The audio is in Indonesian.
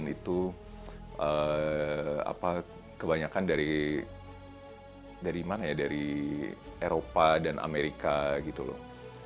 itu kebanyakan dari eropa dan amerika gitu loh